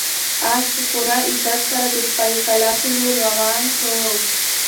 آس په پوره عزت سره د خپلې کلا په لور روان شو.